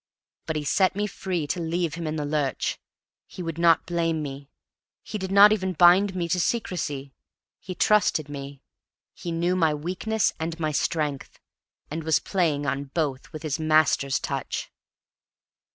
But he set me free to leave him in the lurch. He would not blame me. He did not even bind me to secrecy; he trusted me. He knew my weakness and my strength, and was playing on both with his master's touch.